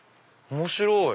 面白い！